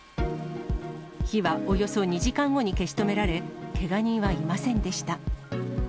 火はおよそ２時間後に消し止められ、けが人はいませんでした。